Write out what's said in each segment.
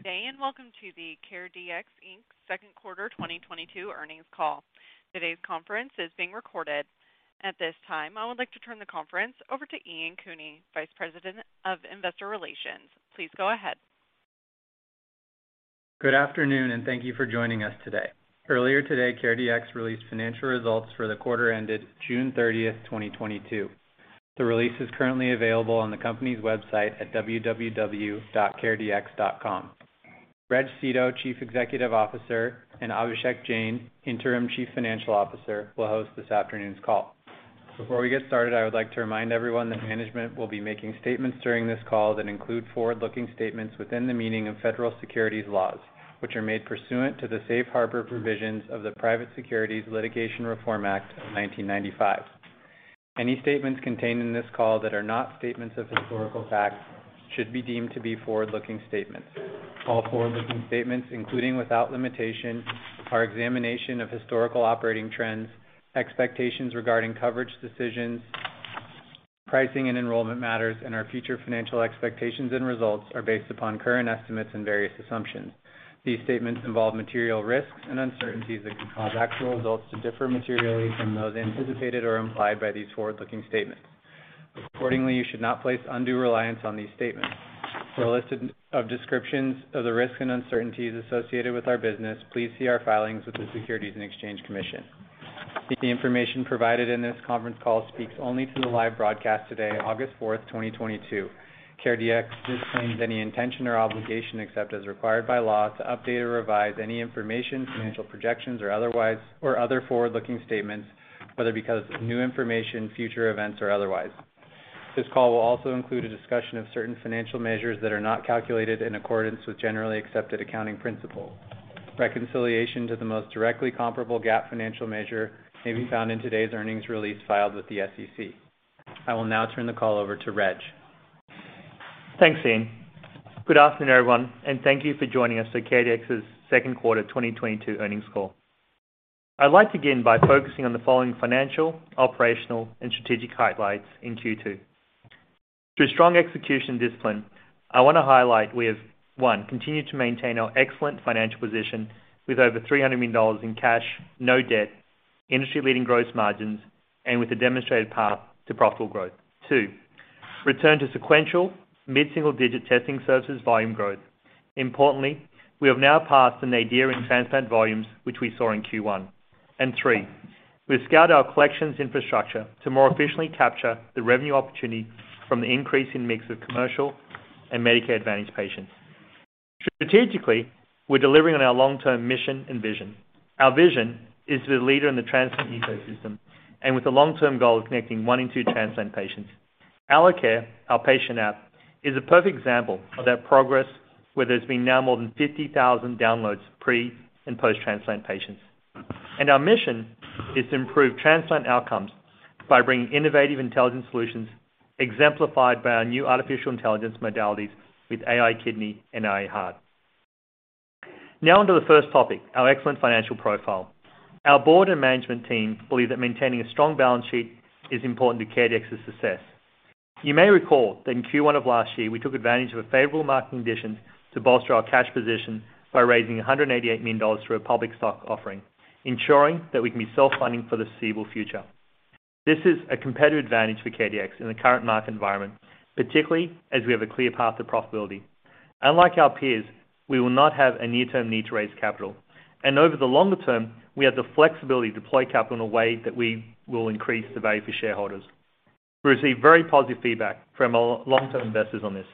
Good day, and welcome to the CareDx, Inc. second quarter 2022 earnings call. Today's conference is being recorded. At this time, I would like to turn the conference over to Ian Cooney, Vice President of Investor Relations. Please go ahead. Good afternoon and thank you for joining us today. Earlier today, CareDx released financial results for the quarter ended June 30th, 2022. The release is currently available on the company's website at www.caredx.com. Reg Seeto, Chief Executive Officer, and Abhishek Jain, Interim Chief Financial Officer, will host this afternoon's call. Before we get started, I would like to remind everyone that management will be making statements during this call that include forward-looking statements within the meaning of federal securities laws, which are made pursuant to the Safe Harbor provisions of the Private Securities Litigation Reform Act of 1995. Any statements contained in this call that are not statements of historical fact should be deemed to be forward-looking statements. All forward-looking statements, including without limitation, our examination of historical operating trends, expectations regarding coverage decisions, pricing and enrollment matters, and our future financial expectations and results are based upon current estimates and various assumptions. These statements involve material risks and uncertainties that can cause actual results to differ materially from those anticipated or implied by these forward-looking statements. Accordingly, you should not place undue reliance on these statements. For a list of descriptions of the risks and uncertainties associated with our business, please see our filings with the Securities and Exchange Commission. The information provided in this conference call speaks only to the live broadcast today, August 4th, 2022. CareDx disclaims any intention or obligation, except as required by law, to update or revise any information, financial projections, or other forward-looking statements, whether because of new information, future events or otherwise. This call will also include a discussion of certain financial measures that are not calculated in accordance with generally accepted accounting principles. Reconciliation to the most directly comparable GAAP financial measure may be found in today's earnings release filed with the SEC. I will now turn the call over to Reg. Thanks, Ian. Good afternoon, everyone, and thank you for joining us for CareDx's second quarter 2022 earnings call. I'd like to begin by focusing on the following financial, operational, and strategic highlights in Q2. Through strong execution discipline, I wanna highlight we have, one, continued to maintain our excellent financial position with over $300 million in cash, no debt, industry-leading gross margins, and with a demonstrated path to profitable growth. Two, return to sequential mid-single digit testing services volume growth. Importantly, we have now passed the nadir in transplant volumes, which we saw in Q1. Three, we've scaled our collections infrastructure to more efficiently capture the revenue opportunity from the increase in mix of commercial and Medicare Advantage patients. Strategically, we're delivering on our long-term mission and vision. Our vision is the leader in the transplant ecosystem and with the long-term goal of connecting one in two transplant patients. AlloCare, our patient app, is a perfect example of that progress, where there's been now more than 50,000 downloads, pre- and post-transplant patients. Our mission is to improve transplant outcomes by bringing innovative intelligence solutions exemplified by our new artificial intelligence modalities with AiKidney and AiHeart. Now on to the first topic, our excellent financial profile. Our board and management team believe that maintaining a strong balance sheet is important to CareDx's success. You may recall that in Q1 of last year, we took advantage of a favorable market condition to bolster our cash position by raising $188 million through a public stock offering, ensuring that we can be self-funding for the foreseeable future. This is a competitive advantage for CareDx in the current market environment, particularly as we have a clear path to profitability. Unlike our peers, we will not have a near-term need to raise capital, and over the longer term, we have the flexibility to deploy capital in a way that we will increase the value for shareholders. We receive very positive feedback from our long-term investors on this.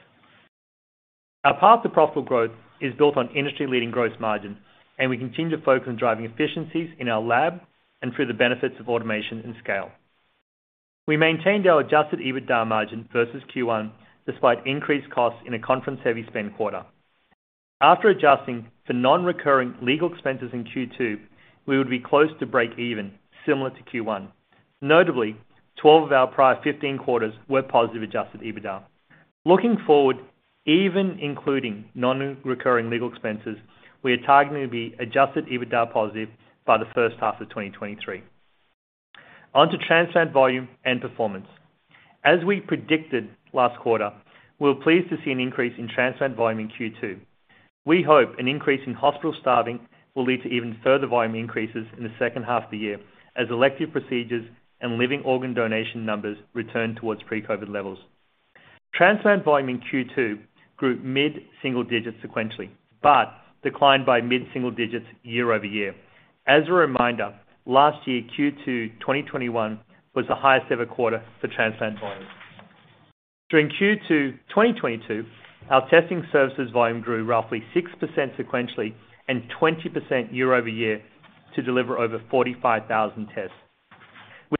Our path to profitable growth is built on industry-leading gross margin, and we continue to focus on driving efficiencies in our lab and through the benefits of automation and scale. We maintained our adjusted EBITDA margin versus Q1, despite increased costs in a conference-heavy spend quarter. After adjusting for non-recurring legal expenses in Q2, we would be close to breakeven, similar to Q1. Notably, 12 of our prior 15 quarters were positive adjusted EBITDA. Looking forward, even including non-recurring legal expenses, we are targeting to be adjusted EBITDA positive by the first half of 2023. On to transplant volume and performance. As we predicted last quarter, we're pleased to see an increase in transplant volume in Q2. We hope an increase in hospital staffing will lead to even further volume increases in the second half of the year as elective procedures and living organ donation numbers return towards pre-COVID levels. Transplant volume in Q2 grew mid-single digits sequentially, but declined by mid-single digits year-over-year. As a reminder, last year, Q2 2021 was the highest ever quarter for transplant volumes. During Q2 2022, our testing services volume grew roughly 6% sequentially and 20% year-over-year to deliver over 45,000 tests.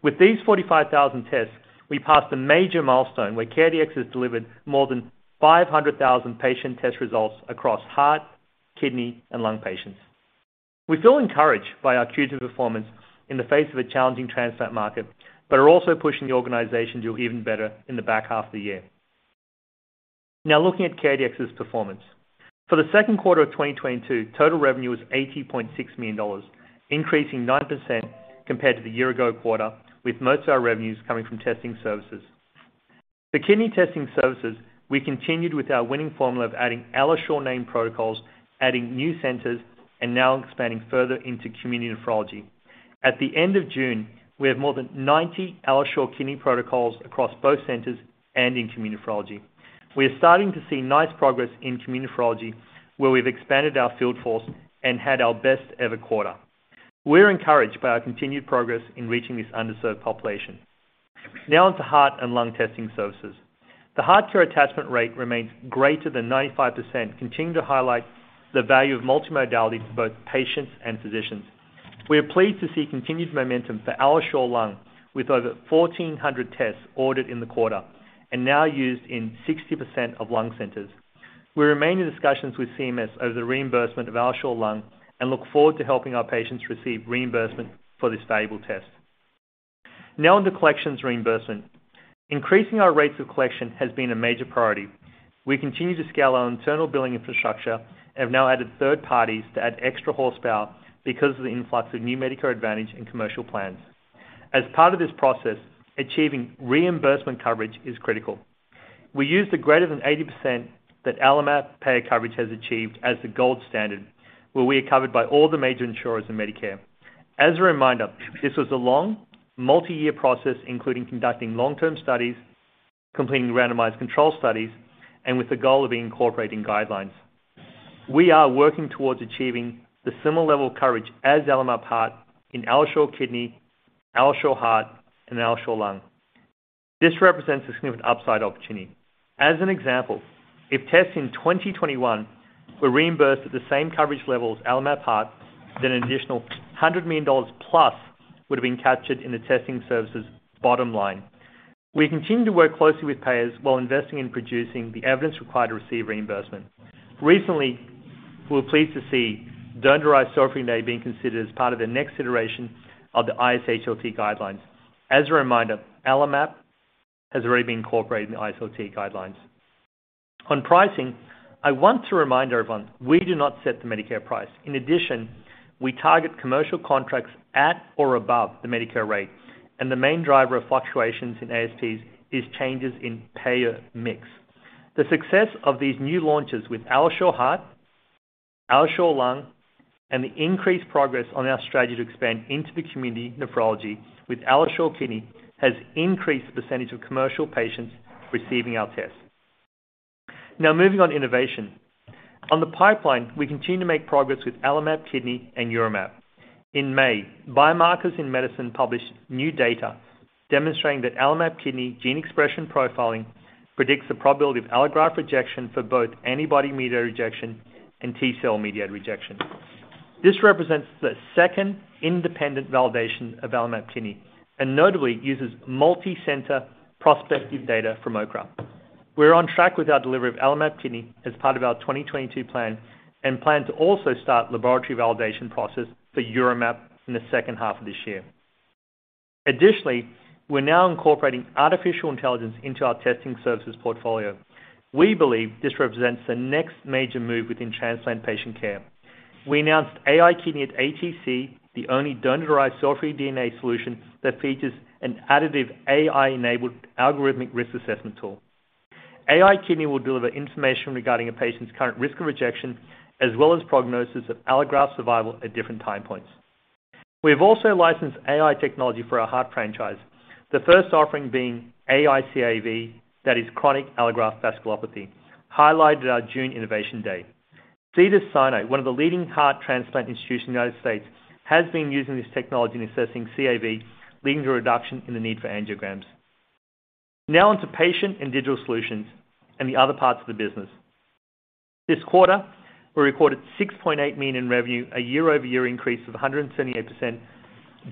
With these 45,000 tests, we passed a major milestone where CareDx has delivered more than 500,000 patient test results across heart, kidney, and lung patients. We feel encouraged by our Q2 performance in the face of a challenging transplant market but are also pushing the organization to do even better in the back half of the year. Now looking at CareDx's performance. For the second quarter of 2022, total revenue was $80.6 million, increasing 9% compared to the year ago quarter, with most of our revenues coming from testing services. For kidney testing services, we continued with our winning formula of adding AlloSure-named protocols, adding new centers, and now expanding further into community nephrology. At the end of June, we have more than 90 AlloSure Kidney protocols across both centers and in community nephrology. We are starting to see nice progress in community nephrology, where we've expanded our field force and had our best ever quarter. We're encouraged by our continued progress in reaching this underserved population. Now on to heart and lung testing services. The HeartCare attachment rate remains greater than 95%, continuing to highlight the value of multimodality to both patients and physicians. We are pleased to see continued momentum for AlloSure Lung with over 1,400 tests ordered in the quarter and now used in 60% of lung centers. We remain in discussions with CMS over the reimbursement of AlloSure Lung and look forward to helping our patients receive reimbursement for this valuable test. Now on to collections reimbursement. Increasing our rates of collection has been a major priority. We continue to scale our internal billing infrastructure and have now added third parties to add extra horsepower because of the influx of new Medicare Advantage and commercial plans. As part of this process, achieving reimbursement coverage is critical. We use the greater than 80% that AlloMap payer coverage has achieved as the gold standard, where we are covered by all the major insurers in Medicare. As a reminder, this was a long multi-year process, including conducting long-term studies, completing randomized controlled studies, and with the goal of incorporating guidelines. We are working towards achieving the similar level of coverage as AlloMap Heart in AlloSure Kidney, AlloSure Heart, and AlloSure Lung. This represents a significant upside opportunity. As an example, if tests in 2021 were reimbursed at the same coverage level as AlloMap Heart, then an additional $100 million+ would have been captured in the testing services bottom line. We continue to work closely with payers while investing in producing the evidence required to receive reimbursement. Recently, we were pleased to see donor-derived cell-free DNA being considered as part of the next iteration of the ISHLT guidelines. As a reminder, AlloMap has already been incorporated in the ISHLT guidelines. On pricing, I want to remind everyone, we do not set the Medicare price. In addition, we target commercial contracts at or above the Medicare rate, and the main driver of fluctuations in ASPs is changes in payer mix. The success of these new launches with AlloSure Heart, AlloSure Lung, and the increased progress on our strategy to expand into the community nephrology with AlloSure Kidney has increased the percentage of commercial patients receiving our tests. Now moving on to innovation. On the pipeline, we continue to make progress with AlloMap Kidney and UroMap. In May, Biomarkers in Medicine published new data demonstrating that AlloMap Kidney gene expression profiling predicts the probability of allograft rejection for both antibody-mediated rejection and T-cell-mediated rejection. This represents the second independent validation of AlloMap Kidney, and notably uses multi-center prospective data from OCRA. We're on track with our delivery of AlloMap Kidney as part of our 2022 plan and plan to also start laboratory validation process for UroMap in the second half of this year. Additionally, we're now incorporating artificial intelligence into our testing services portfolio. We believe this represents the next major move within transplant patient care. We announced AiKidney at ATC, the only donor-derived cell-free DNA solution that features an additive AI-enabled algorithmic risk assessment tool. AiKidney will deliver information regarding a patient's current risk of rejection, as well as prognosis of allograft survival at different time points. We have also licensed AI technology for our heart franchise, the first offering being AiCAV, that is chronic allograft vasculopathy, highlighted at our June innovation day. Cedars-Sinai, one of the leading heart transplant institutions in the U.S., has been using this technology in assessing CAV, leading to a reduction in the need for angiograms. Now on to patient and digital solutions and the other parts of the business. This quarter, we recorded $6.8 million in revenue, a year-over-year increase of 178%,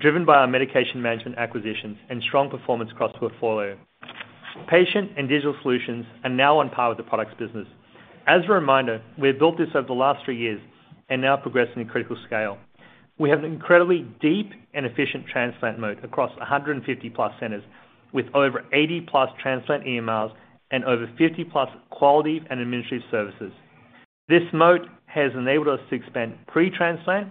driven by our medication management acquisitions and strong performance across the portfolio. Patient and digital solutions are now on par with the products business. As a reminder, we have built this over the last three years and now progressing in critical scale. We have an incredibly deep and efficient transplant model across 150+ centers with over 80+ transplant EMRs and over 50+ quality and administrative services. This model has enabled us to expand pre-transplant,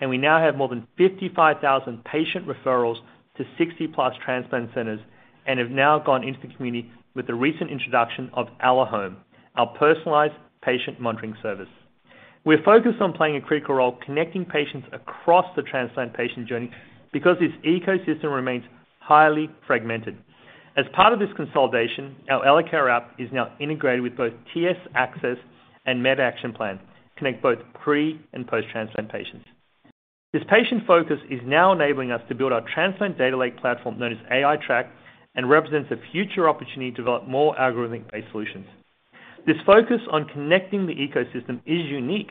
and we now have more than 55,000 patient referrals to 60+ transplant centers and have now gone into the community with the recent introduction of AlloHome, our personalized patient monitoring service. We're focused on playing a critical role connecting patients across the transplant patient journey because this ecosystem remains highly fragmented. As part of this consolidation, our AlloCare app is now integrated with both TxAccess and MedActionPlan, connect both pre- and post-transplant patients. This patient focus is now enabling us to build our transplant data lake platform known as AiTraC and represents a future opportunity to develop more algorithmic-based solutions. This focus on connecting the ecosystem is unique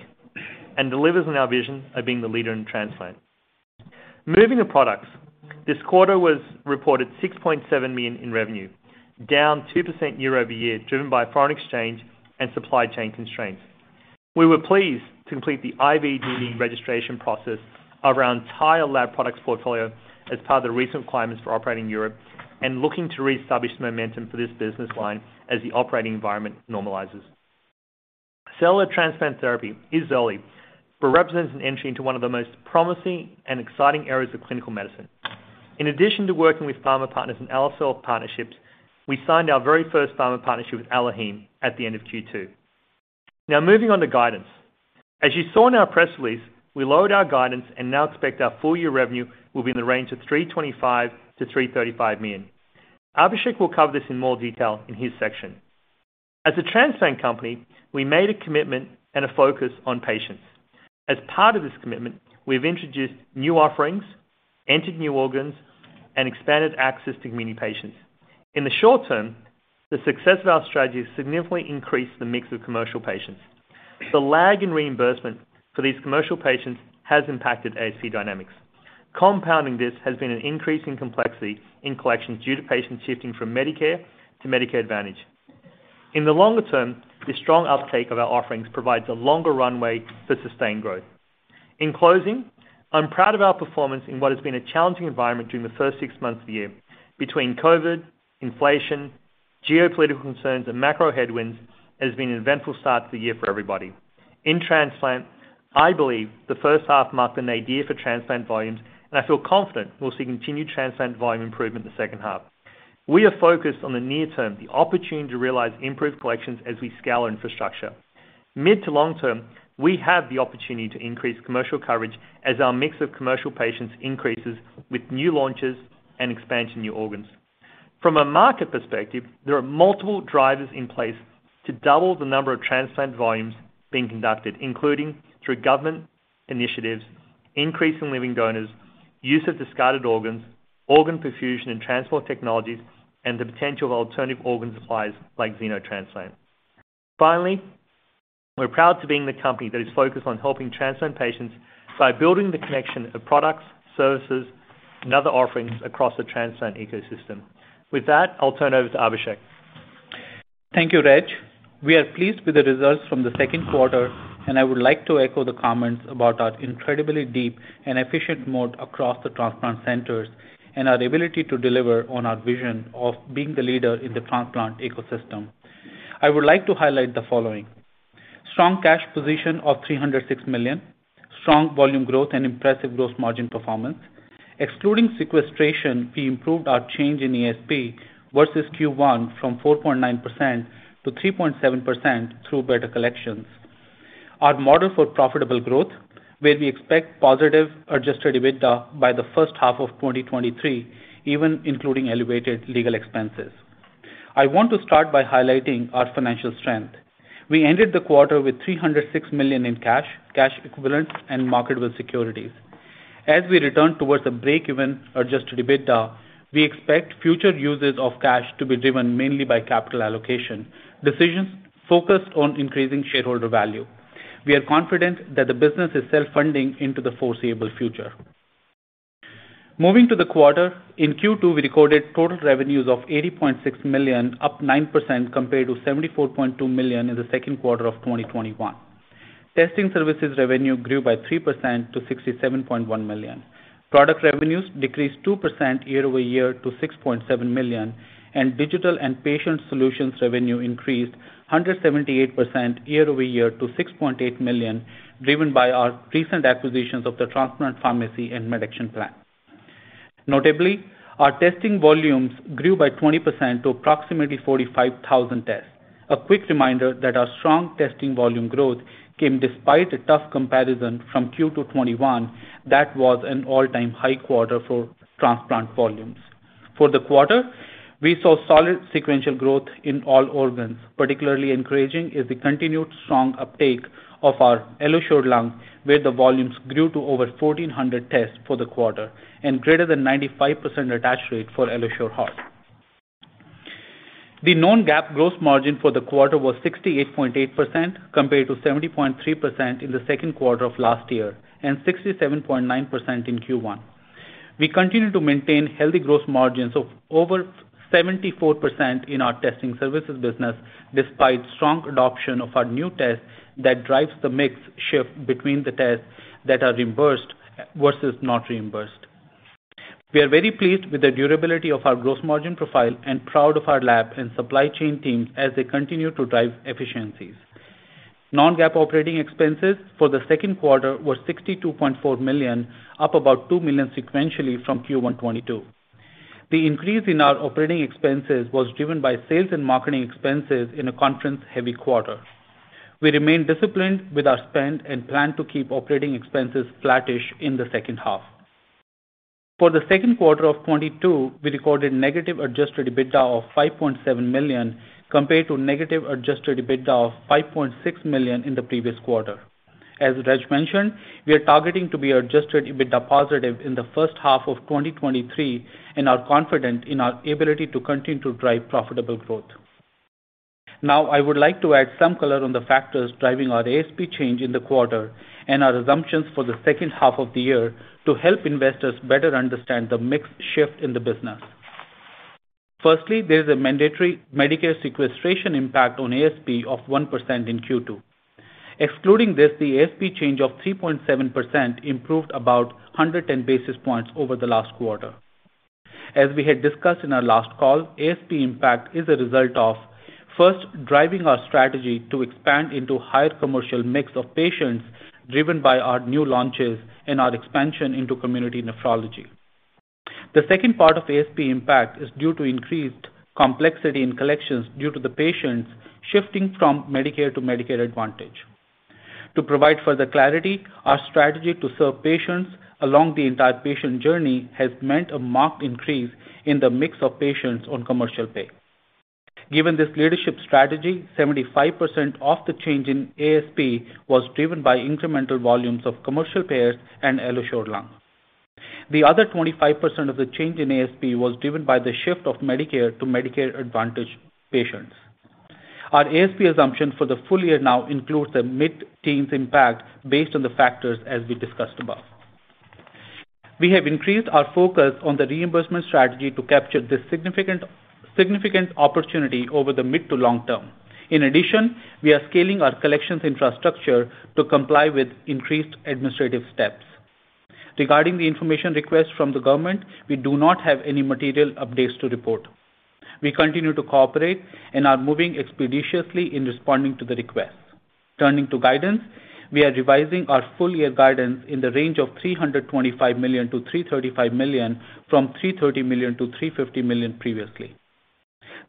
and delivers on our vision of being the leader in transplant. Moving to products. This quarter reported $6.7 million in revenue, down 2% year-over-year, driven by foreign exchange and supply chain constraints. We were pleased to complete the IVD registration process of our entire lab products portfolio as part of the recent requirements for operating in Europe and looking to reestablish momentum for this business line as the operating environment normalizes. Cellular transplant therapy, [E-celle], represents an entry into one of the most promising and exciting areas of clinical medicine. In addition to working with pharma partners and cell therapy partnerships, we signed our very first pharma partnership with AlloHeme at the end of Q2. Now moving on to guidance. As you saw in our press release, we lowered our guidance and now expect our full year revenue will be in the range of $325 million-$335 million. Abhishek will cover this in more detail in his section. As a transplant company, we made a commitment and a focus on patients. As part of this commitment, we've introduced new offerings, entered new organs, and expanded access to community patients. In the short term, the success of our strategy has significantly increased the mix of commercial patients. The lag in reimbursement for these commercial patients has impacted ASP dynamics. Compounding this has been an increase in complexity in collections due to patients shifting from Medicare to Medicare Advantage. In the longer term, the strong uptake of our offerings provides a longer runway for sustained growth. In closing, I'm proud of our performance in what has been a challenging environment during the first six months of the year between COVID, inflation, geopolitical concerns, and macro headwinds. It has been an eventful start to the year for everybody. In transplant, I believe the first half marked a nadir for transplant volumes, and I feel confident we'll see continued transplant volume improvement in the second half. We are focused on the near term, the opportunity to realize improved collections as we scale our infrastructure. Mid to long term, we have the opportunity to increase commercial coverage as our mix of commercial patients increases with new launches and expansion of new organs. From a market perspective, there are multiple drivers in place to double the number of transplant volumes being conducted, including through government initiatives, increase in living donors, use of discarded organs, organ perfusion and transport technologies, and the potential of alternative organ supplies like xenotransplant. Finally, we're proud to be in the company that is focused on helping transplant patients by building the connection of products, services, and other offerings across the transplant ecosystem. With that, I'll turn over to Abhishek. Thank you, Reg. We are pleased with the results from the second quarter, and I would like to echo the comments about our incredibly deep and efficient moat across the transplant centers and our ability to deliver on our vision of being the leader in the transplant ecosystem. I would like to highlight the following. Strong cash position of $306 million. Strong volume growth and impressive gross margin performance. Excluding sequestration, we improved our change in ASP versus Q1 from 4.9%-3.7% through better collections. Our model for profitable growth, where we expect positive adjusted EBITDA by the first half of 2023, even including elevated legal expenses. I want to start by highlighting our financial strength. We ended the quarter with $306 million in cash equivalents, and marketable securities. As we return towards the break-even adjusted EBITDA, we expect future uses of cash to be driven mainly by capital allocation, decisions focused on increasing shareholder value. We are confident that the business is self-funding into the foreseeable future. Moving to the quarter, in Q2, we recorded total revenues of $80.6 million, up 9% compared to $74.2 million in the second quarter of 2021. Testing services revenue grew by 3% to $67.1 million. Product revenues decreased 2% year-over-year to $6.7 million, and digital and patient solutions revenue increased 178% year-over-year to $6.8 million, driven by our recent acquisitions of the transplant pharmacy and MedActionPlan. Notably, our testing volumes grew by 20% to approximately 45,000 tests. A quick reminder that our strong testing volume growth came despite a tough comparison from Q2 2021 that was an all-time high quarter for transplant volumes. For the quarter, we saw solid sequential growth in all organs. Particularly encouraging is the continued strong uptake of our AlloSure Lung, where the volumes grew to over 1,400 tests for the quarter and greater than 95% attach rate for AlloSure Heart. The non-GAAP gross margin for the quarter was 68.8% compared to 70.3% in the second quarter of last year and 67.9% in Q1. We continue to maintain healthy gross margins of over 74% in our testing services business despite strong adoption of our new test that drives the mix shift between the tests that are reimbursed versus not reimbursed. We are very pleased with the durability of our gross margin profile and proud of our lab and supply chain team as they continue to drive efficiencies. Non-GAAP operating expenses for the second quarter were $62.4 million, up about $2 million sequentially from Q1 2022. The increase in our operating expenses was driven by sales and marketing expenses in a conference-heavy quarter. We remain disciplined with our spend and plan to keep operating expenses flattish in the second half. For the second quarter of 2022, we recorded negative adjusted EBITDA of $5.7 million compared to negative adjusted EBITDA of $5.6 million in the previous quarter. As Reg mentioned, we are targeting to be adjusted EBITDA positive in the first half of 2023 and are confident in our ability to continue to drive profitable growth. Now, I would like to add some color on the factors driving our ASP change in the quarter and our assumptions for the second half of the year to help investors better understand the mix shift in the business. Firstly, there is a mandatory Medicare sequestration impact on ASP of 1% in Q2. Excluding this, the ASP change of 3.7% improved about 110 basis points over the last quarter. As we had discussed in our last call, ASP impact is a result of first driving our strategy to expand into higher commercial mix of patients driven by our new launches and our expansion into community nephrology. The second part of ASP impact is due to increased complexity in collections due to the patients shifting from Medicare to Medicare Advantage. To provide further clarity, our strategy to serve patients along the entire patient journey has meant a marked increase in the mix of patients on commercial pay. Given this leadership strategy, 75% of the change in ASP was driven by incremental volumes of commercial payers and AlloSure lung. The other 25% of the change in ASP was driven by the shift of Medicare to Medicare Advantage patients. Our ASP assumption for the full year now includes a mid-teens impact based on the factors as we discussed above. We have increased our focus on the reimbursement strategy to capture this significant opportunity over the mid- to long-term. In addition, we are scaling our collections infrastructure to comply with increased administrative steps. Regarding the information request from the government, we do not have any material updates to report. We continue to cooperate and are moving expeditiously in responding to the request. Turning to guidance, we are revising our full-year guidance in the range of $325 million-$335 million from $330 million-$350 million previously.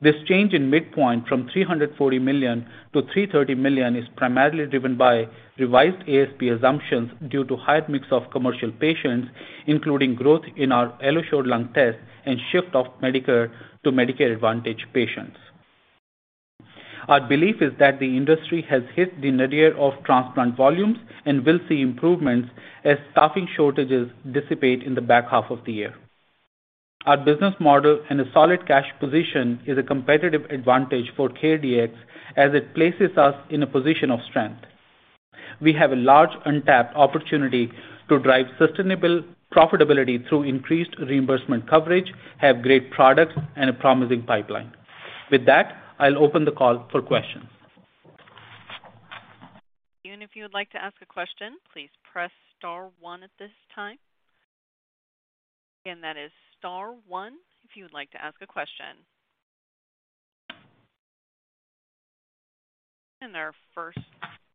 This change in midpoint from $340 million-$330 million is primarily driven by revised ASP assumptions due to higher mix of commercial patients, including growth in our AlloSure lung test and shift of Medicare to Medicare Advantage patients. Our belief is that the industry has hit the nadir of transplant volumes and will see improvements as staffing shortages dissipate in the back half of the year. Our business model and a solid cash position is a competitive advantage for CareDx as it places us in a position of strength. We have a large untapped opportunity to drive sustainable profitability through increased reimbursement coverage, have great products, and a promising pipeline. With that, I'll open the call for questions. If you would like to ask a question, please press star one at this time. Again, that is star one if you would like to ask a question. Our first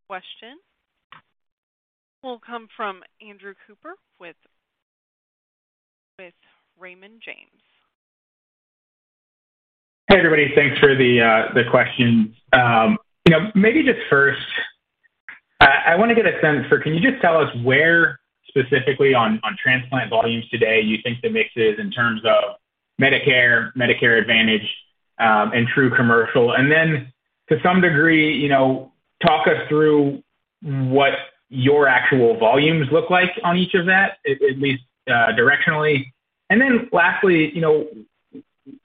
question will come from Andrew Cooper with Raymond James. Hey, everybody. Thanks for the question. You know, maybe just first, I wanna get a sense for can you just tell us where specifically on transplant volumes today you think the mix is in terms of Medicare Advantage, and true commercial? And then to some degree, you know, talk us through what your actual volumes look like on each of that, at least, directionally. And then lastly, you know,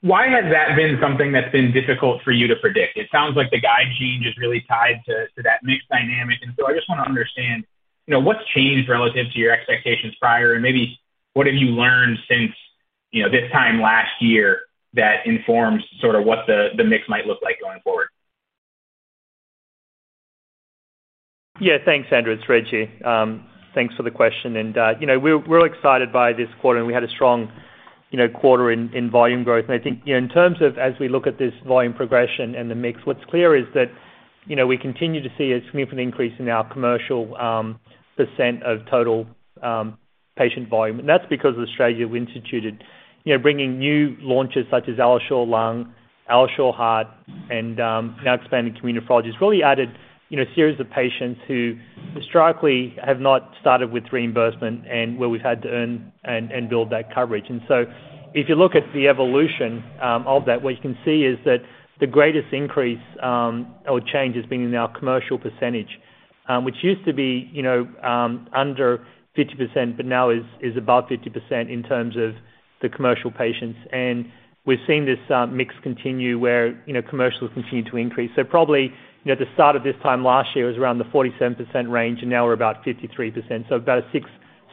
why has that been something that's been difficult for you to predict? It sounds like the guide change is really tied to that mix dynamic, and so I just wanna understand, you know, what's changed relative to your expectations prior, and maybe what have you learned since, you know, this time last year that informs sort of what the mix might look like going forward? Yeah. Thanks, Andrew. It's Reggie. Thanks for the question. You know, we're excited by this quarter, and we had a strong, you know, quarter in volume growth. I think, you know, in terms of as we look at this volume progression and the mix, what's clear is that, you know, we continue to see a significant increase in our commercial percent of total patient volume. That's because of the strategy we instituted. You know, bringing new launches such as AlloSure Lung, AlloSure Heart and now expanding community nephrology has really added, you know, a series of patients who historically have not started with reimbursement and where we've had to earn and build that coverage. If you look at the evolution of that, what you can see is that the greatest increase or change has been in our commercial percentage, which used to be, you know, under 50%, but now is above 50% in terms of the commercial patients. We've seen this mix continue where, you know, commercial has continued to increase. Probably, you know, at the start of this time last year was around the 47% range, and now we're about 53%. About a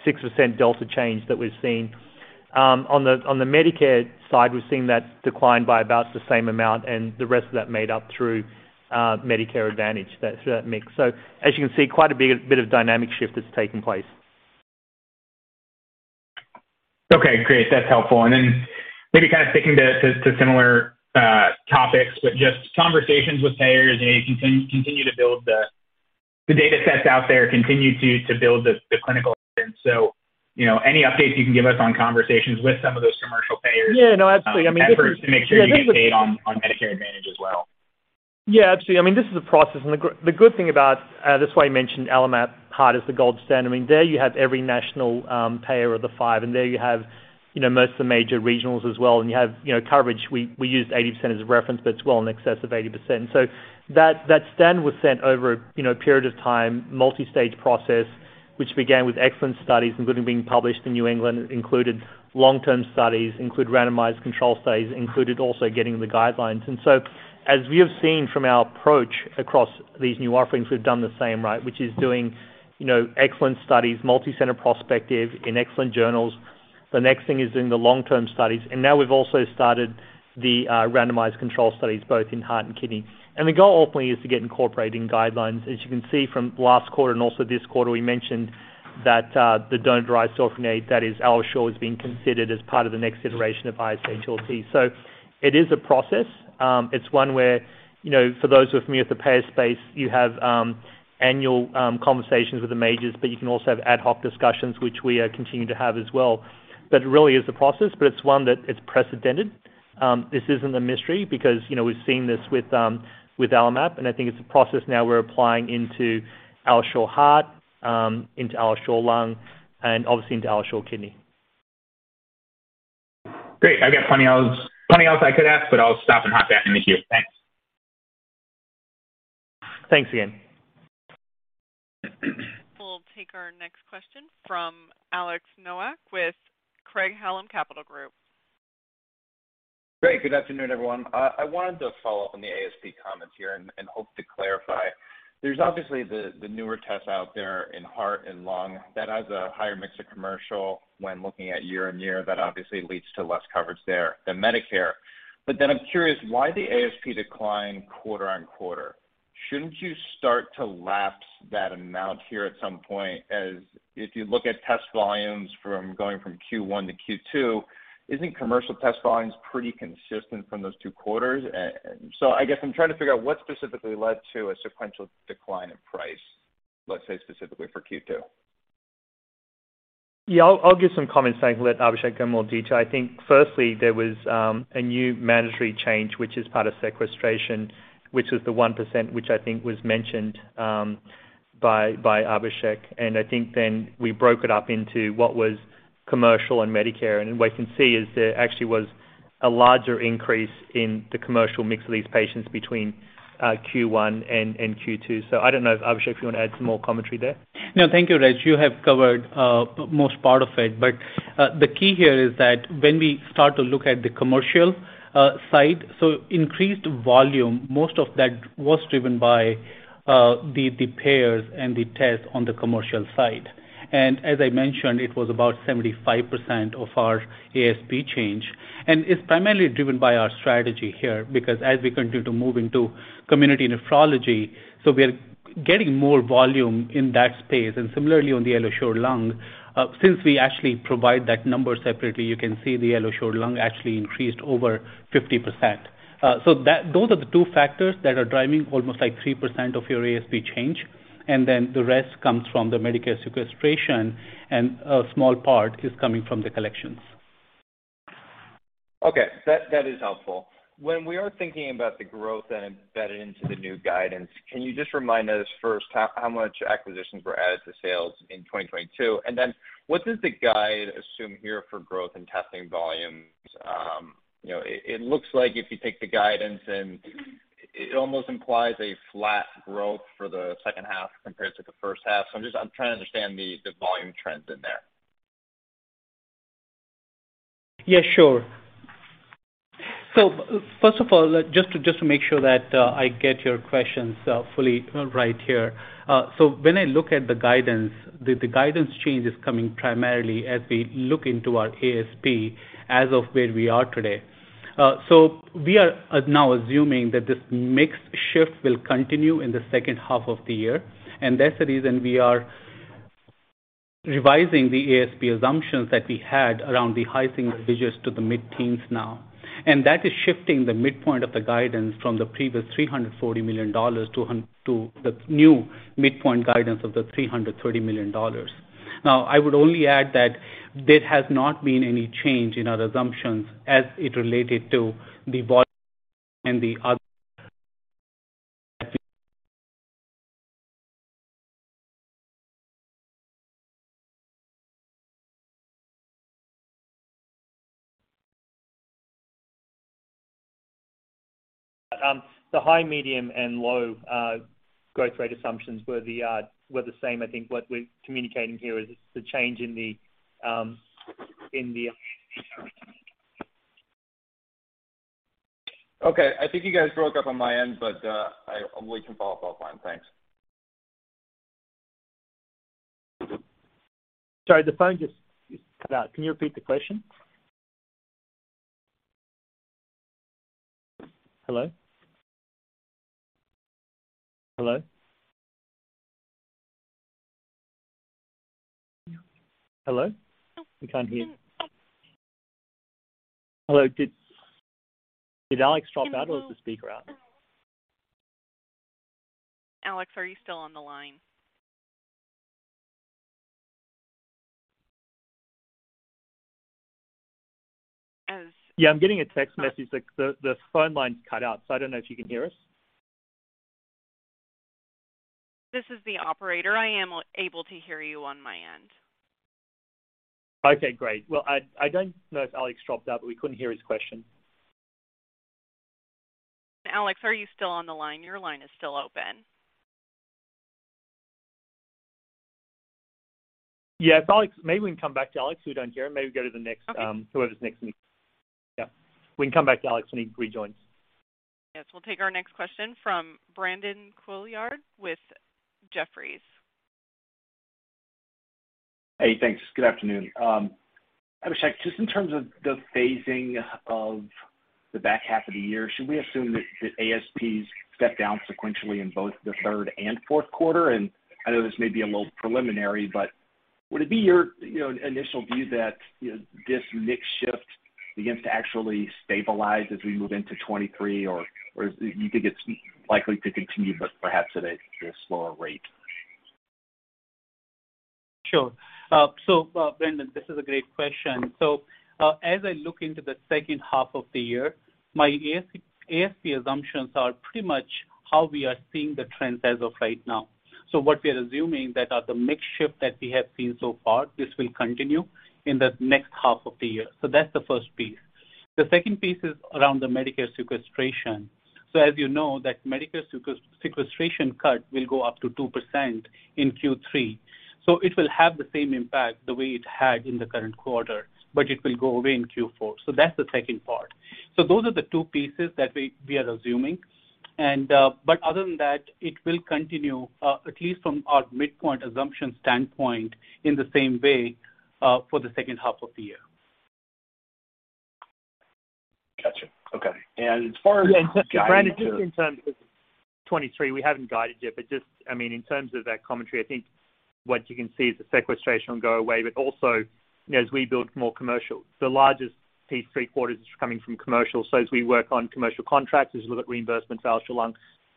6% delta change that we've seen. On the Medicare side, we've seen that decline by about the same amount and the rest of that made up through Medicare Advantage. That's that mix. You can see quite a bit of dynamic shift that's taking place. Okay, great. That's helpful. Maybe kind of sticking to similar topics, but just conversations with payers. You know, you continue to build the datasets out there, continue to build the clinical evidence. You know, any updates you can give us on conversations with some of those commercial payers? Yeah. No, absolutely. I mean. To make sure you get paid on Medicare Advantage as well. Yeah, absolutely. I mean, this is a process. The good thing about that's why I mentioned AlloMap Heart as the gold standard. I mean, there you have every national payer of the five, and there you have, you know, most of the major regionals as well, and you have, you know, coverage. We used 80% as a reference, but it's well in excess of 80%. That standard was set over, you know, a period of time, multi-stage process, which began with excellent studies, including being published in New England, included long-term studies, include randomized control studies, included also getting the guidelines. As we have seen from our approach across these new offerings, we've done the same, right? Which is doing, you know, excellent studies, multi-center prospective in excellent journals. The next thing is doing the long-term studies. Now we've also started the randomized controlled studies both in heart and kidney. The goal ultimately is to get incorporating guidelines. As you can see from last quarter and also this quarter, we mentioned That, the donor-derived cell-free DNA that is AlloSure is being considered as part of the next iteration of ISHLT. It is a process. It's one where, you know, for those who are familiar with the payer space, you have annual conversations with the majors, but you can also have ad hoc discussions, which we continue to have as well. It really is a process, but it's one that is precedented. This isn't a mystery because, you know, we've seen this with AlloMap, and I think it's a process now we're applying into AlloSure Heart, into AlloSure Lung, and obviously into AlloSure Kidney. Great. I got plenty else, plenty else I could ask, but I'll stop and hop back in with you. Thanks. Thanks, again. We'll take our next question from Alex Nowak with Craig-Hallum Capital Group. Great. Good afternoon, everyone. I wanted to follow up on the ASP comments here and hope to clarify. There's obviously the newer tests out there in heart and lung that has a higher mix of commercial when looking at year-over-year. That obviously leads to less coverage there than Medicare. I'm curious why the ASP declined quarter-over-quarter. Shouldn't you start to lapse that amount here at some point? As if you look at test volumes from going from Q1 to Q2, isn't commercial test volumes pretty consistent from those two quarters? I guess I'm trying to figure out what specifically led to a sequential decline in price, let's say specifically for Q2. Yeah, I'll give some comments and let Abhishek go in more detail. I think firstly there was a new mandatory change, which is part of sequestration, which was the 1%, which I think was mentioned by Abhishek. I think then we broke it up into what was commercial and Medicare. What you can see is there actually was a larger increase in the commercial mix of these patients between Q1 and Q2. I don't know if, Abhishek, if you want to add some more commentary there. No, thank you, Reg. You have covered most part of it. The key here is that when we start to look at the commercial side, so increased volume, most of that was driven by the payers and the tests on the commercial side. As I mentioned, it was about 75% of our ASP change. It's primarily driven by our strategy here, because as we continue to move into community nephrology, so we are getting more volume in that space. Similarly, on the AlloSure Lung, since we actually provide that number separately, you can see the AlloSure Lung actually increased over 50%. Those are the two factors that are driving almost like 3% of your ASP change, and then the rest comes from the Medicare sequestration, and a small part is coming from the collections. Okay. That is helpful. When we are thinking about the growth and embedded into the new guidance, can you just remind us first how much acquisitions were added to sales in 2022? Then what does the guide assume here for growth in testing volumes? You know, it looks like if you take the guidance and it almost implies a flat growth for the second half compared to the first half. I'm just trying to understand the volume trends in there. Yeah, sure. First of all, just to make sure that I get your questions fully right here. When I look at the guidance, the guidance change is coming primarily as we look into our ASP as of where we are today. We are now assuming that this mix shift will continue in the second half of the year, and that's the reason we are revising the ASP assumptions that we had around the high single digits to the mid-teens now. That is shifting the midpoint of the guidance from the previous $340 million to the new midpoint guidance of the $330 million. Now, I would only add that there has not been any change in our assumptions as it related to the volume and the other. The high, medium, and low growth rate assumptions were the same. I think what we're communicating here is the change in the. Okay. I think you guys broke up on my end, but we can follow up offline. Thanks. Sorry, the phone just cut out. Can you repeat the question? Hello? We can't hear you. Hello? Did Alex drop out or was the speaker out? Alex, are you still on the line? Yeah, I'm getting a text message that the phone line's cut out, so I don't know if you can hear us. This is the operator. I am able to hear you on my end. Okay, great. Well, I don't know if Alex dropped out, but we couldn't hear his question. Alex, are you still on the line? Your line is still open. Yeah. If Alex, maybe we can come back to Alex. We don't hear him. Maybe go to the next. Okay. Whoever's next in queue. Yeah. We can come back to Alex when he rejoins. Yes. We'll take our next question from Brandon Couillard with Jefferies. Hey, thanks. Good afternoon. Abhishek, just in terms of the phasing of the back half of the year, should we assume that ASPs step down sequentially in both the third and fourth quarter? I know this may be a little preliminary, but would it be your, you know, initial view that this mix shift begins to actually stabilize as we move into 2023, or do you think it's likely to continue but perhaps at a slower rate? Sure. Brendan, this is a great question. As I look into the second half of the year, my ASP assumptions are pretty much how we are seeing the trends as of right now. What we are assuming is that the mix shift that we have seen so far will continue in the next half of the year. That's the first piece. The second piece is around the Medicare sequestration. As you know that Medicare sequestration cut will go up to 2% in Q3. It will have the same impact the way it had in the current quarter, but it will go away in Q4. That's the second part. Those are the two pieces that we are assuming. Other than that, it will continue, at least from our midpoint assumption standpoint, in the same way, for the second half of the year. Got you. Okay. As far as. Yeah. Brendan, just in terms of 2023, we haven't guided yet, but just, I mean, in terms of that commentary, I think what you can see is the sequestration will go away. Also, you know, as we build more commercial, the largest piece, three quarters is coming from commercial. As we work on commercial contracts, as we look at reimbursement for AlloSure Lung,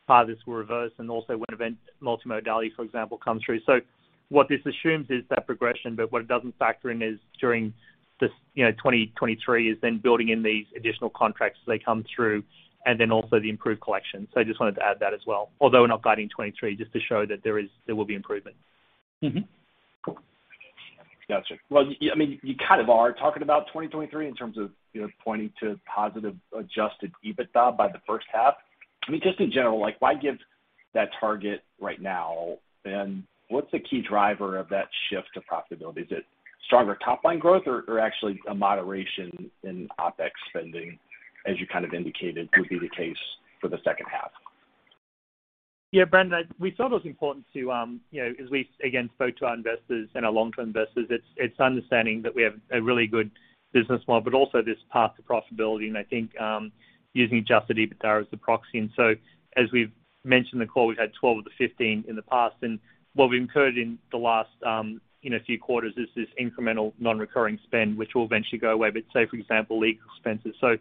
part of this will reverse and also when event multimodality, for example, comes through. What this assumes is that progression, but what it doesn't factor in is during this, you know, 2023 is then building in these additional contracts as they come through and then also the improved collection. I just wanted to add that as well. Although we're not guiding 2023, just to show that there is, there will be improvement. Mm-hmm. Cool. Got you. Well, I mean, your kind of are talking about 2023 in terms of, you know, pointing to positive adjusted EBITDA by the first half. I mean, just in general, like, why give that target right now, and what's the key driver of that shift to profitability? Is it stronger top line growth or actually a moderation in OpEx spending, as you kind of indicated would be the case for the second half? Yeah, Brendan, we thought it was important to, you know, as we again spoke to our investors and our long-term investors, it's understanding that we have a really good business model, but also this path to profitability. I think using adjusted EBITDA as the proxy. As we've mentioned in the call, we've had 12 of the 15 in the past. What we've incurred in the last, you know, few quarters is this incremental non-recurring spend, which will eventually go away. Say, for example, legal expenses. You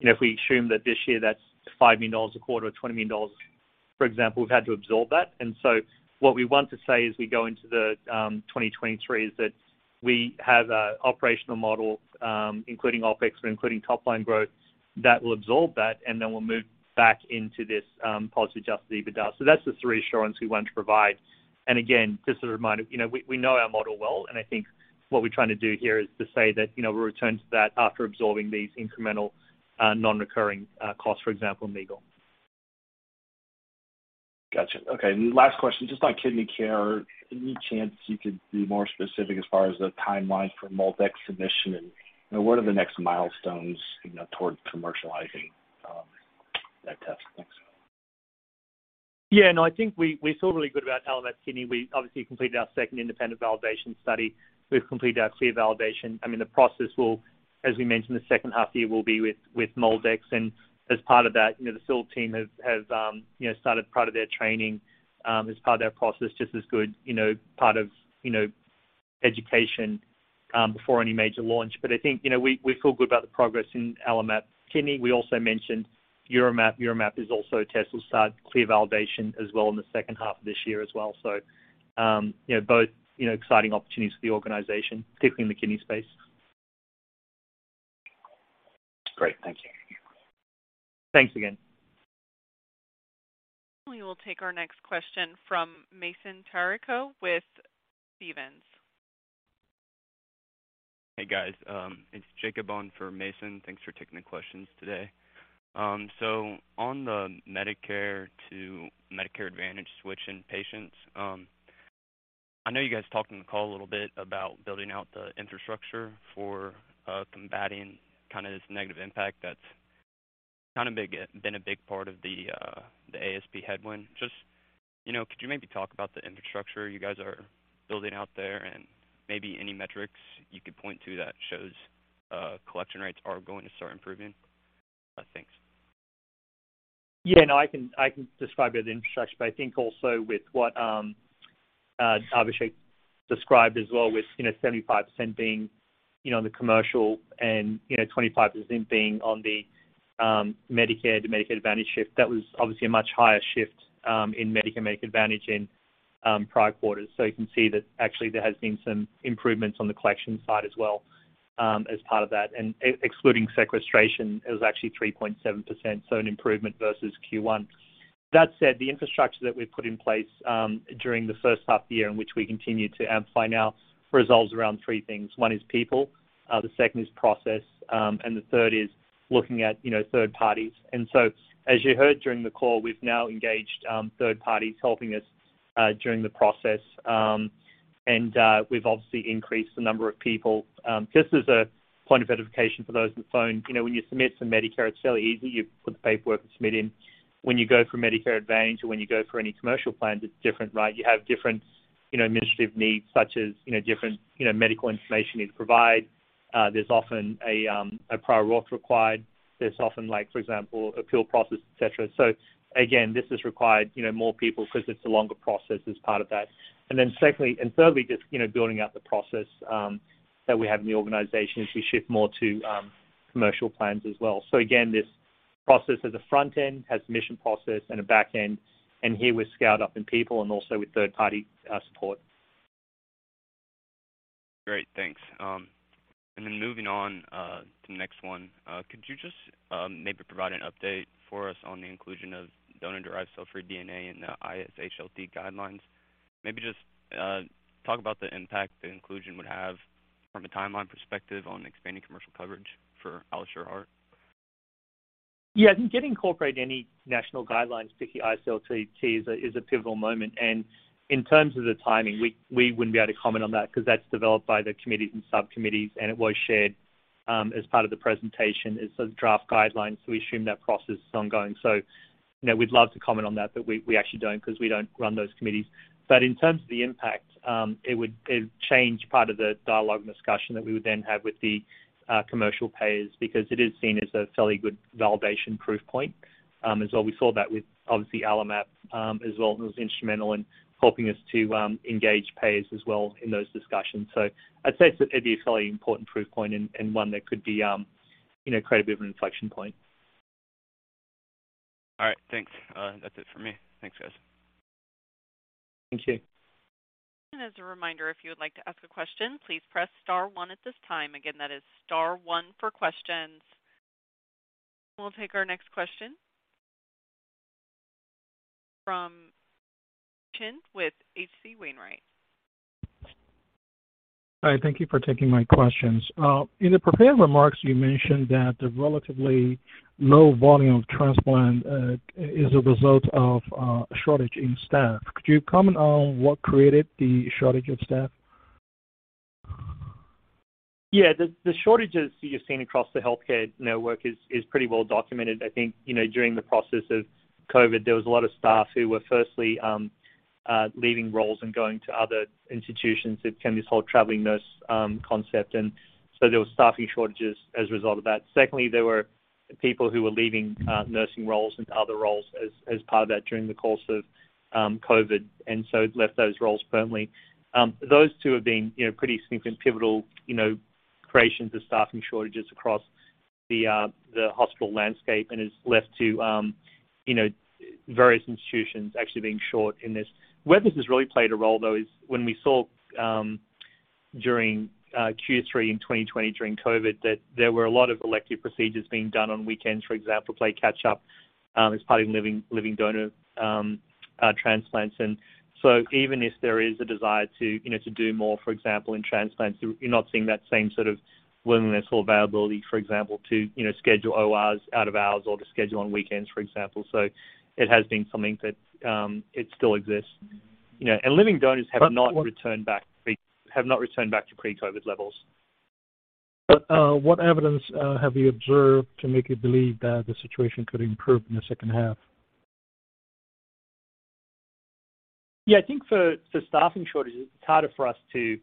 know, if we assume that this year that's $5 million a quarter or $20 million, for example, we've had to absorb that. What we want to say as we go into the 2023 is that we have a operational model, including OpEx and including top line growth that will absorb that, and then we'll move back into this positive adjusted EBITDA. That's the reassurance we want to provide. Again, just a reminder, you know, we know our model well, and I think what we're trying to do here is to say that, you know, we'll return to that after absorbing these incremental non-recurring costs, for example, legal. Gotcha. Okay, last question. Just on Kidney Care, any chance you could be more specific as far as the timeline for MolDX submission? And what are the next milestones, you know, towards commercializing, that test? Thanks. Yeah, no, I think we feel really good about AlloMap Kidney. We obviously completed our second independent validation study. We've completed our CLIA validation. I mean, the process will, as we mentioned, the second half of the year will be with MolDX. As part of that, you know, the sales team have started part of their training, as part of that process, just as part of education, before any major launch. I think, you know, we feel good about the progress in AlloMap Kidney. We also mentioned UroMap. UroMap is also a test. We'll start CLIA validation as well in the second half of this year as well. Both exciting opportunities for the organization, particularly in the kidney space. Great. Thank you. Thanks again. We will take our next question from Mason Carrico with Stephens. Hey, guys. It's Jacob on for Mason. Thanks for taking the questions today. On the Medicare to Medicare Advantage switch in patients, I know you guys talked in the call a little bit about building out the infrastructure for combating kinda this negative impact that's kinda big, been a big part of the ASP headwind. Just, you know, could you maybe talk about the infrastructure you guys are building out there and maybe any metrics you could point to that shows collection rates are going to start improving? Thanks. Yeah, no, I can describe the infrastructure, but I think also with what Abhishek described as well with, you know, 75% being, you know, on the commercial and, you know, 25% being on the Medicare to Medicare Advantage shift. That was obviously a much higher shift in Medicare to Medicare Advantage in prior quarters. So, you can see that actually there has been some improvements on the collection side as well, as part of that. Excluding sequestration, it was actually 3.7%, so an improvement versus Q1. That said, the infrastructure that we've put in place during the first half of the year and which we continue to amplify now revolves around three things. One is people, the second is process, and the third is looking at, you know, third parties. As you heard during the call, we've now engaged third parties helping us during the process. We've obviously increased the number of people just as a point of edification for those on the phone. You know, when you submit for Medicare, [it's fairly easy]. You put the paperwork and submit in. When you go for Medicare Advantage or when you go for any commercial plans, it's different, right? You have different, you know, administrative needs such as, you know, different, you know, medical information you'd provide. There's often a prior authorization required. There's often, like, for example, appeal process, et cetera. Again, this has required, you know, more people because it's a longer process as part of that. Secondly and thirdly, just, you know, building out the process that we have in the organization as we shift more to commercial plans as well. Again, this process has a front end, has middleware process, and a back end, and here we've scaled up in people and also with third-party support. Great. Thanks. Could you just maybe provide an update for us on the inclusion of donor-derived cell-free DNA in the ISHLT guidelines? Maybe just talk about the impact the inclusion would have from a timeline perspective on expanding commercial coverage for AlloSure Heart. Yeah. I think getting incorporated into any national guidelines, particularly ISHLT, is a pivotal moment. In terms of the timing, we wouldn't be able to comment on that because that's developed by the committees and subcommittees, and it was shared as part of the presentation. It's a draft guideline, we assume that process is ongoing. You know, we'd love to comment on that, but we actually don't because we don't run those committees. In terms of the impact, it would change part of the dialogue and discussion that we would then have with the commercial payers because it is seen as a fairly good validation proof point, as well. We saw that with obviously AlloMap, as well, and it was instrumental in helping us to engage payers as well in those discussions. I'd say it'd be a fairly important proof point and one that could be, you know, create a bit of an inflection point. All right. Thanks. That's it for me. Thanks, guys. Thank you. As a reminder, if you would like to ask a question, please press star one at this time. Again, that is star one for questions. We'll take our next question from Yi Chen with H.C. Wainwright. Hi. Thank you for taking my questions. In the prepared remarks, you mentioned that the relatively low volume of transplant is a result of a shortage in staff. Could you comment on what created the shortage of staff? Yeah. The shortages you're seeing across the healthcare network is pretty well documented. I think, you know, during the process of COVID, there was a lot of staff who were firstly leaving roles and going to other institutions. It became this whole traveling nurse concept. There was staffing shortages as a result of that. Secondly, there were people who were leaving nursing roles into other roles as part of that during the course of COVID and so left those roles permanently. Those two have been, you know, pretty significant pivotal creations of staffing shortages across the hospital landscape and has led to various institutions actually being short in this. Where this has really played a role, though, is when we saw during Q3 in 2020 during COVID that there were a lot of elective procedures being done on weekends, for example, to play catch up as part of living donor transplants. Even if there is a desire to, you know, to do more, for example, in transplants, you're not seeing that same sort of willingness or availability, for example, to, you know, schedule ORs out of hours or to schedule on weekends, for example. It has been something that it still exists. You know, and living donors have not returned back. Have not returned back to pre-COVID levels. What evidence have you observed to make you believe that the situation could improve in the second half? Yeah. I think for staffing shortages, it's harder for us to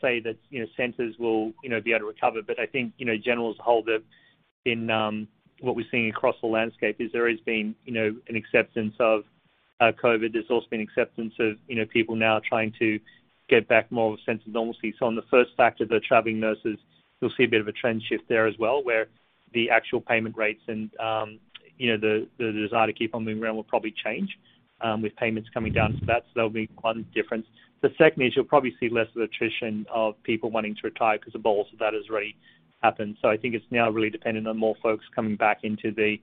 say that, you know, centers will, you know, be able to recover. I think, you know, generally as a whole, in what we're seeing across the landscape is there has been, you know, an acceptance of COVID. There's also been acceptance of, you know, people now trying to get back more of a sense of normalcy. On the first factor, the traveling nurses, you'll see a bit of a trend shift there as well, where the actual payment rates and, you know, the desire to keep on moving around will probably change with payments coming down to that. That'll be one difference. The second is you'll probably see less of attrition of people wanting to retire because the bulk of that has already happened. I think it's now really dependent on more folks coming back into the,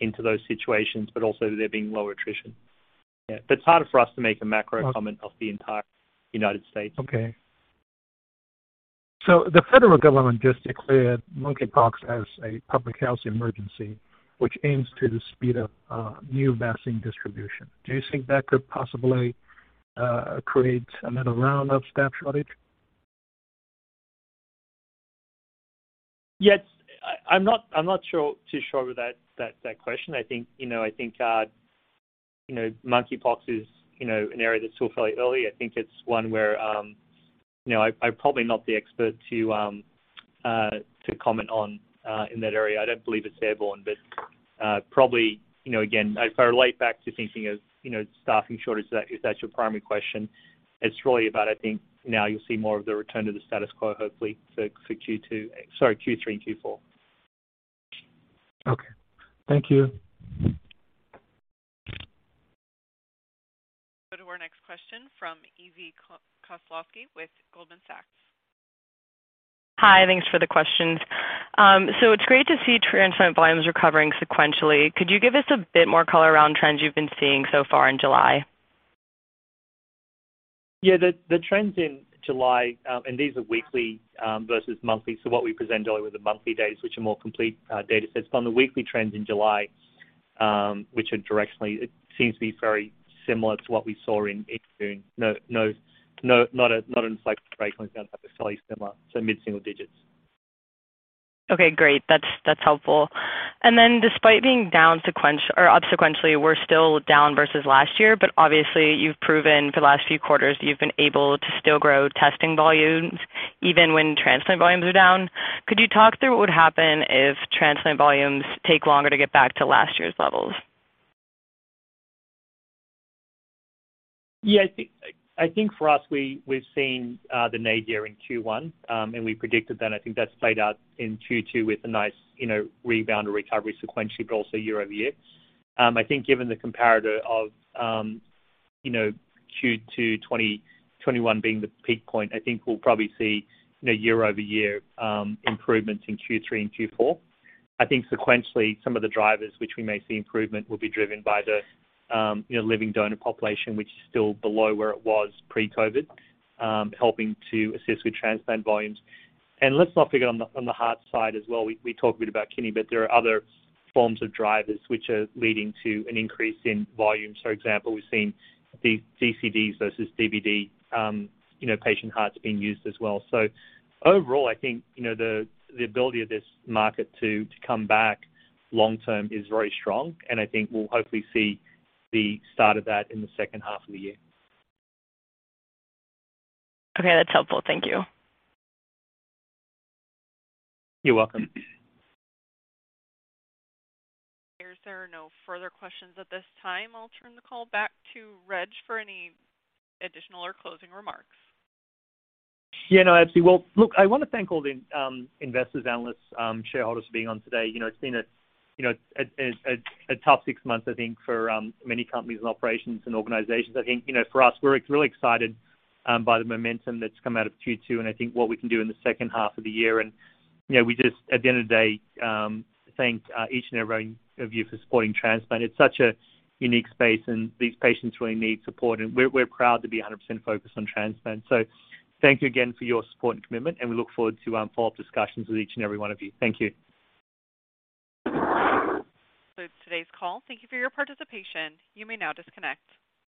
into those situations, but also there being lower attrition. Yeah. It's harder for us to make a macro comment of the entire United States. Okay. The federal government just declared monkeypox as a public health emergency, which aims to speed up new vaccine distribution. Do you think that could possibly create another round of staff shortage? Yes. I'm not sure too sure of that question. I think, you know, I think, you know, monkeypox is, you know, an area that's still fairly early. I think it's one where, you know, I'm probably not the expert to comment on in that area. I don't believe it's airborne, but, probably, you know, again, if I relate back to thinking of, you know, staffing shortage, if that's your primary question, it's really about, I think, now you'll see more of the return to the status quo, hopefully for Q2, sorry, Q3 and Q4. Okay. Thank you. Go to our next question from Evie Koslosky with Goldman Sachs. Hi. Thanks for the questions. It's great to see transplant volumes recovering sequentially. Could you give us a bit more color around trends you've been seeing so far in July? Yeah. The trends in July, and these are weekly versus monthly, so what we present generally with the monthly data, which are more complete datasets. On the weekly trends in July, which are directionally very similar to what we saw in 2Q, not a cycle break when it sounds like it's fairly similar, so mid-single digits%. Okay, great. That's helpful. Despite being down sequentially or up sequentially, we're still down versus last year. Obviously, you've proven for the last few quarters, you've been able to still grow testing volumes even when transplant volumes are down. Could you talk through what would happen if transplant volumes take longer to get back to last year's levels? Yeah, I think for us, we've seen the nadir in Q1, and we predicted that. I think that's played out in Q2 with a nice, you know, rebound or recovery sequentially, but also year-over-year. I think given the comparator of, you know, Q2 2021 being the peak point, I think we'll probably see, you know, year-over-year improvements in Q3 and Q4. I think sequentially, some of the drivers which we may see improvement will be driven by the, you know, living donor population, which is still below where it was pre-COVID, helping to assist with transplant volumes. Let's not forget on the heart side as well. We talked a bit about kidney, but there are other forms of drivers which are leading to an increase in volume. For example, we've seen the DCDs versus DBD, you know, patient hearts being used as well. Overall, I think, you know, the ability of this market to come back long term is very strong, and I think we'll hopefully see the start of that in the second half of the year. Okay, that's helpful. Thank you. You're welcome. There are no further questions at this time. I'll turn the call back to Reg for any additional or closing remarks. Yeah. No, absolutely. Well, look, I want to thank all the investors, analysts, shareholders for being on today. You know, it's been a tough six months, I think, for many companies and operations and organizations. I think, you know, for us, we're really excited by the momentum that's come out of Q2, and I think what we can do in the second half of the year. You know, we just, at the end of the day, thank each and every one of you for supporting transplant. It's such a unique space, and these patients really need support. We're proud to be 100% focused on transplant. Thank you again for your support and commitment, and we look forward to follow-up discussions with each and every one of you. Thank you. That concludes today's call. Thank you for your participation. You may now disconnect.